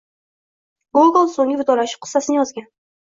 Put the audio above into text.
Gogol` so’nggi vidolashuv qissasini yozgan.